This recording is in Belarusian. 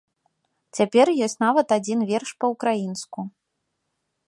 Цяпер ёсць нават адзін верш па-ўкраінску.